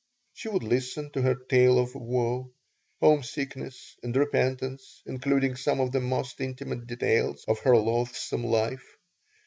She would listen to her tale of woe, homesickness and repentance, including some of the most intimate details of her loathsome life.